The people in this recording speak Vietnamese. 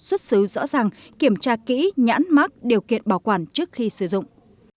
xuất xứ rõ ràng kiểm tra kỹ nhãn mắc điều kiện bảo quản trước khi sử dụng